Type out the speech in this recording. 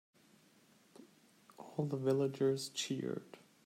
All the villagers cheered.